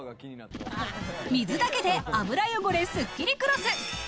水だけで油汚れスッキリクロス。